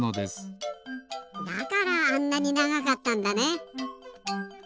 だからあんなにながかったんだね。